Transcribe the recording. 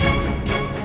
ih ampun andi